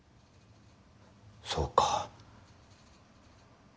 そうか。